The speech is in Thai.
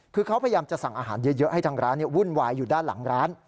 คือเขาพยายามจะสั่งอาหารเยอะให้ทางร้านวุ่นวายอยู่ด้านหลังร้าน